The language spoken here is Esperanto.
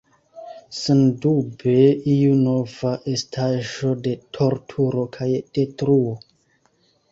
Sendube iu nova estaĵo de torturo kaj detruo.